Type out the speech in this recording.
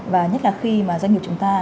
và nhất là khi mà doanh nghiệp chúng ta